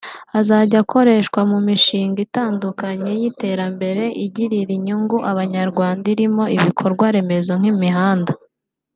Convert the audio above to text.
azajya akoreshwa mu mishinga itandukanye y’iterambere igirira inyungu abanyarwanda irimo ibikorwa remezo nk’imihanda